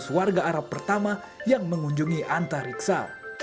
seratus warga arab pertama yang mengunjungi antariksa